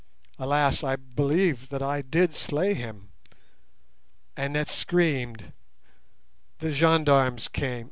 Alas, I believe that I did slay him. Annette screamed. The gendarmes came.